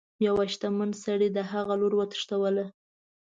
یوه شتمن سړي د هغه لور وتښتوله.